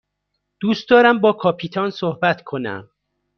دوست دارم با کاپیتان صحبت کنم.